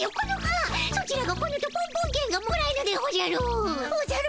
ソチらが来ぬとポンポンけんがもらえぬでおじゃる。